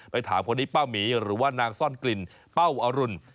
ถามคนนี้ป้าหมีหรือว่านางซ่อนกลิ่นเป้าอรุณ